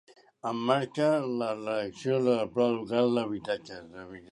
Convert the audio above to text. En marxa la redacció del Pla Local d'Habitatge